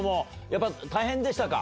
やっぱ大変でしたか？